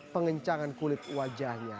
pengencangan kulit wajahnya